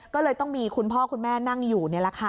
ก็เลยต้องมีคุณพ่อคุณแม่นั่งอยู่